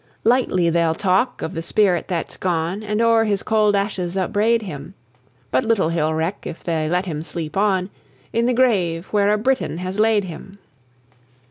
Lightly they'll talk of the spirit that's gone, And o'er his cold ashes upbraid him, But little he'll reck, if they let him sleep on In the grave where a Briton has laid him.